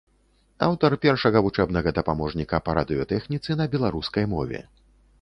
Аўтар першага вучэбнага дапаможніка па радыётэхніцы на беларускай мове.